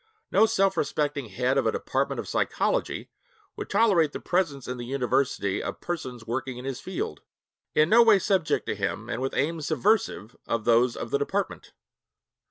No self respecting head of a department of psychology would tolerate the presence in the university of persons working in his field, in no way subject to him and with aims subversive of those of the department.